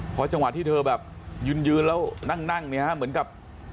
พอจังหวะที่เธอแบบยืนแล้วนั่งเนี่ยเหมือนกับ